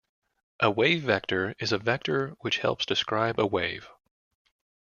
A wavevector is a vector which helps describe a wave.